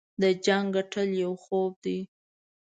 د جنګ ګټل یو خوب دی.